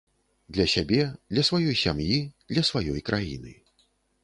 Для сябе, для сваёй сям'і, для сваёй краіны.